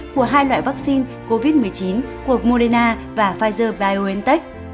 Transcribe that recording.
của hai loại vaccine covid một mươi chín của moderna và pfizer biontech